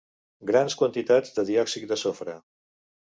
Grans quantitats de diòxid de sofre.